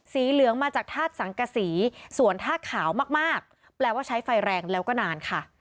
เหลืองมาจากธาตุสังกษีส่วนธาตุขาวมากแปลว่าใช้ไฟแรงแล้วก็นานค่ะ